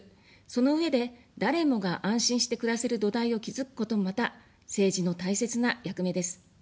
そのうえで、誰もが安心して暮らせる土台を築くこともまた、政治の大切な役目です。